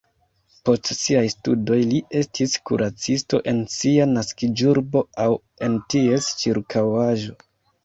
Post siaj studoj li estis kuracisto en sia naskiĝurbo aŭ en ties ĉirkaŭaĵo.